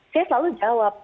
saya selalu jawab